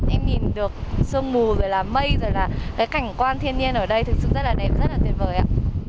em nhìn được sơn mù rồi là mây rồi là cái cảnh quan thiên nhiên ở đây thực sự rất là đẹp rất là tuyệt vời ạ